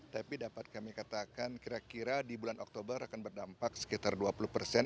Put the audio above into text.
tapi dapat kami katakan kira kira di bulan oktober akan berdampak sekitar dua puluh persen